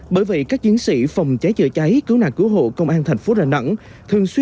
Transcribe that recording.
bởi vậy các chiến sĩ phòng cháy chữa cháy cứu nạc cứu hộ công an thành phố đà nẵng